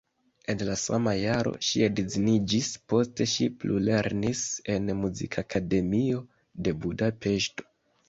En la sama jaro ŝi edziniĝis, poste ŝi plulernis en Muzikakademio de Budapeŝto.